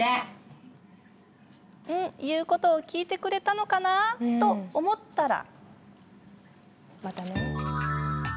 言うことを聞いてくれたのかなと思ったら。